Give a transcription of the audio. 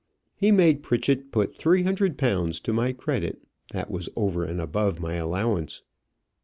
"He made Pritchett put three hundred pounds to my credit; that was over and above my allowance.